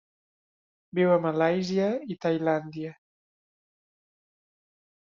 Viu a Malàisia i Tailàndia.